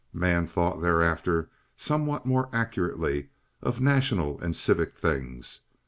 Man thought thereafter somewhat more accurately of national and civic things.